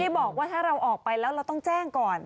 บอกว่าถ้าเราออกไปแล้วเราต้องแจ้งก่อน